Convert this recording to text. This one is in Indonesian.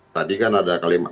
tadi kan ada kalimat